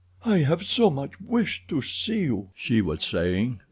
"I have so much wished to see you," she was saying.